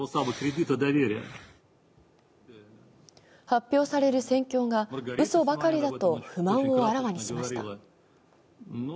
発表される戦況がうそばかりだと不満をあらわにしました。